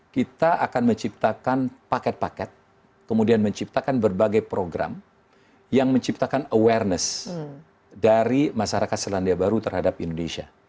kita akan menciptakan paket paket kemudian menciptakan berbagai program yang menciptakan awareness dari masyarakat selandia baru terhadap indonesia